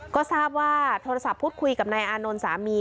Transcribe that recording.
ก็ทราบว่าโทรศัพท์พูดคุยกับนายอานนท์สามี